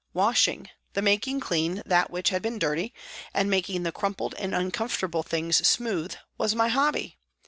Washing, the making clean that which had been dirty, and making the crumpled and uncomfortable things smooth, was my hobby.